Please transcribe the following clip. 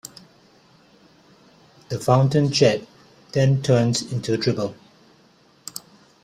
The fountain jet then turns into a dribble.